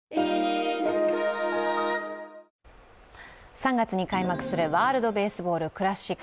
３月に開幕するワールドベースボールクラシック。